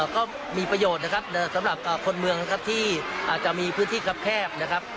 ก็มีประโยชน์นะครับสำหรับคนเมืองนะครับที่อาจจะมีพื้นที่ครับแคบนะครับ